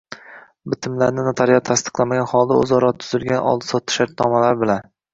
bitimlarni notarial tasdiqlamagan holda o‘zaro tuzilgan oldi-sotdi shartnomalari bilan